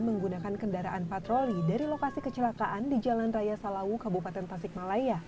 menggunakan kendaraan patroli dari lokasi kecelakaan di jalan raya salawu kabupaten tasikmalaya